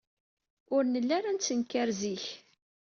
Ur nelli ara nettetnkar zik.